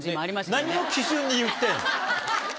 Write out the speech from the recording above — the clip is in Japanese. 何を基準に言ってんの？